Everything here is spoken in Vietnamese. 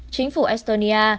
chính phủ estonia